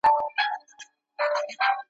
یا به وږی له قحطۍ وي یا یې کور وړی باران دی ,